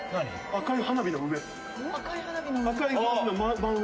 赤い花火の真上。